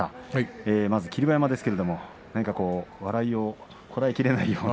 霧馬山ですけど何か笑いがこらえきれないような。